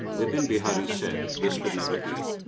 Bipin Bihari said this could never be.